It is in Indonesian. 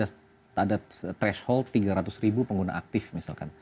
ada threshold tiga ratus ribu pengguna aktif misalkan